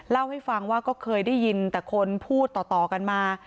เล่าให้ฟังว่าก็เคยได้ยินแต่คนพูดต่อกันมา